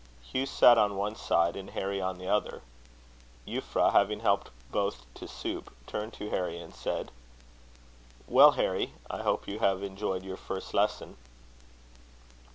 Hugh sat on one side and Harry on the other. Euphra, having helped both to soup, turned to Harry and said, "Well, Harry, I hope you have enjoyed your first lesson."